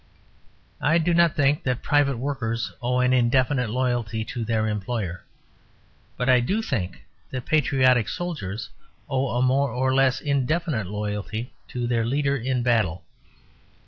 I do not think that private workers owe an indefinite loyalty to their employer. But I do think that patriotic soldiers owe a more or less indefinite loyalty to their leader in battle.